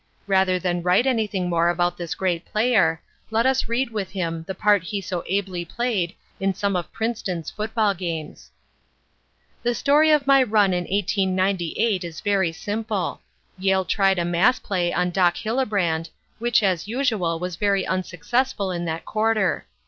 Rather than write anything more about this great player, let us read with him the part he so ably played in some of Princeton's football games. "The story of my run in 1898 is very simple. Yale tried a mass play on Doc Hillebrand, which, as usual, was very unsuccessful in that quarter.